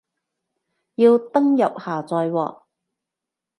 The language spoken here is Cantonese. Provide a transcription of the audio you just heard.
要登入下載喎